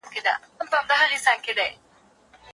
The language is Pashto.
حضوري ټولګي به زده کوونکي د ټولګي بحث کي برخه اخلي.